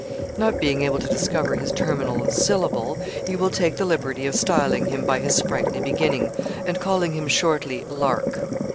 Not being able to discover his terminal syllable, he will take the liberty of styling him by his sprightly beginning, and calling him shortly "Lark."